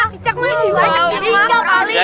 cicak lagi banyak